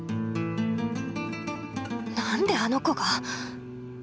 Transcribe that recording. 何であの子が！？